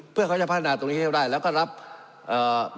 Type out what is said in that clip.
เพื่อเขาจะพัฒนาตรงนี้ให้ได้แล้วก็รับเอ่อ